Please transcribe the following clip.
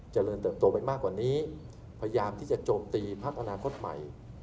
เจริญเติบโตไปมากกว่านี้พยายามที่จะโจมตีพักอนาคตใหม่